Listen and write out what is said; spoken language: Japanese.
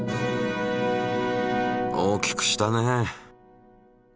大きくしたね。